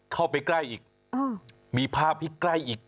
เข้าไปใกล้อีกมีภาพที่ใกล้อีก